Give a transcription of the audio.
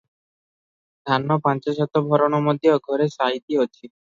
ଧାନ ପାଞ୍ଚ ସାତ ଭରଣ ମଧ୍ୟ ଘରେ ସାଇତି ଅଛି ।